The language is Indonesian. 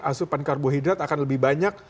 asupan karbohidrat akan lebih banyak